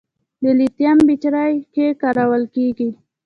د لیتیم بیټرۍ کې کارول کېږي.